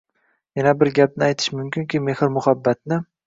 Yana bir gapni aytish mumkinki, mehr-muhabbatni